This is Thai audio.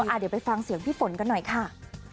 เดี๋ยวไปฟังเสียงพี่ฝนกันหน่อยค่ะ